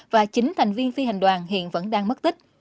và chín thành viên phi hành đoàn hiện vẫn đang mất tích